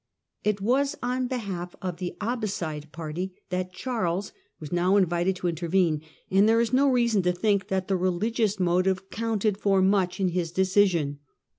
It was on be half of the Abbasside party that Charles was now invited to intervene, and there is no reason to think that the religious motive counted for much in his decision.